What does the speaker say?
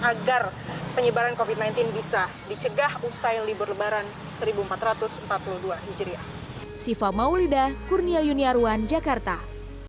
agar penyebaran covid sembilan belas bisa dicegah usai libur lebaran seribu empat ratus empat puluh dua hijriah